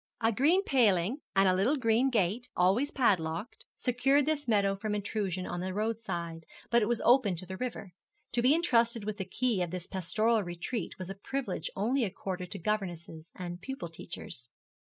A green paling, and a little green gate, always padlocked, secured this meadow from intrusion on the road side, but it was open to the river. To be entrusted with the key of this pastoral retreat was a privilege only accorded to governesses and pupil teachers.